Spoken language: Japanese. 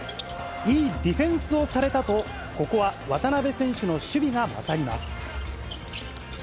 いいディフェンスをされたと、ここは渡邊選手の守備が勝ります。